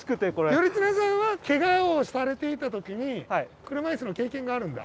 頼綱さんはけがをされていた時に車いすの経験があるんだ。